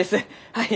はい。